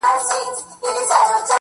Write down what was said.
o څه مسافره یمه خير دی ته مي ياد يې خو.